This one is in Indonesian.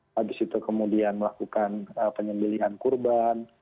habis itu kemudian melakukan penyembelian kurban